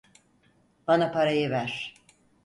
Bana parayı ver.